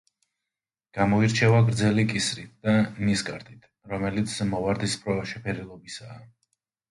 გამოირჩევა გრძელი კისრით და ნისკარტით, რომელიც მოვარდისფრო შეფერილობისაა.